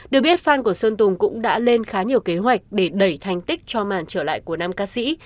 được biết phan của sơn tùng cũng đã lên khá nhiều kế hoạch để đẩy thành tích cho màn trở lại của nam ca sĩ